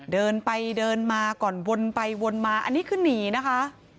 เดินไปเดินมาก่อนวนไปวนมาอันนี้คือหนีนะคะ